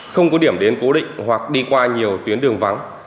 không có điểm đến cố định hoặc đi qua nhiều tuyến đường vắng